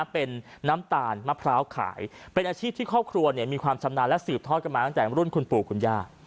เป็นน้ำตาลมะพร้าวขายเป็นอาชีพที่ครอบครัวมีความชำนาญและสืบทอดกันมาตั้งแต่รุ่นคุณปู่คุณย่า